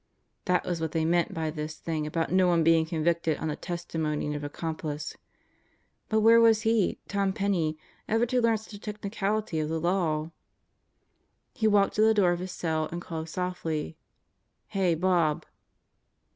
That was what they meant by this thing about no one being convicted on the testimony of an accomplice. But where was he, Tom Penney, ever to learn such a technicality of the law? Satan in the Cell Block 87 He walked to the door of his cell and called softly. "Hey, Bob."